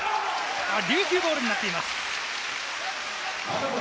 琉球ボールになっています。